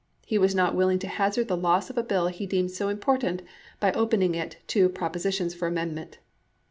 He was not willing to hazard the loss of a bill he deemed so important by opening it to proposi tions for amendment.